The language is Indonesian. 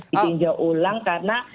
ditingjau ulang karena